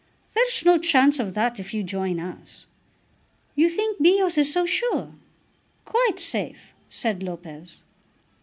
"There's no chance of that if you join us." "You think Bios is so sure!" "Quite safe," said Lopez.